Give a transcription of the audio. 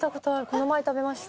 この前食べました。